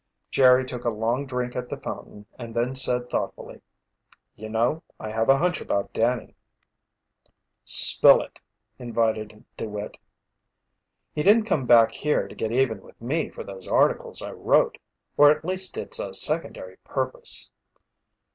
Jerry took a long drink at the fountain and then said thoughtfully: "You know, I have a hunch about Danny." "Spill it," invited DeWitt. "He didn't come back here to get even with me for those articles I wrote or at least it's a secondary purpose."